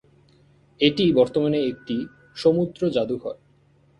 এটি বর্তমানে একটি সমুদ্র জাদুঘর।